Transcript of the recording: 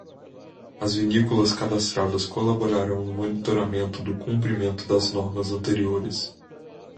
As vinícolas cadastradas colaborarão no monitoramento do cumprimento das normas anteriores.